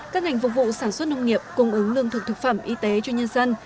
các ngành phục vụ sản xuất nông nghiệp cung ứng lương thực thực phẩm y tế cho nhân dân